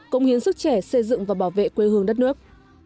công hiến sức trẻ xây dựng và bảo vệ quê hương đất nước